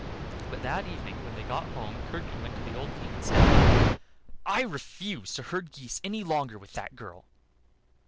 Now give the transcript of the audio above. But that evening when they got home Curdken went to the old King, and said: "I refuse to herd geese any longer with that girl."